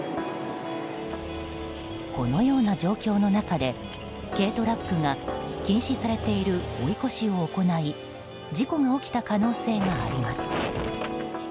このような状況の中で軽トラックが禁止されている追い越しを行い事故が起きた可能性があります。